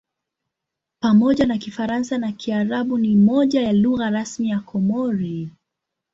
Pamoja na Kifaransa na Kiarabu ni moja ya lugha rasmi ya Komori.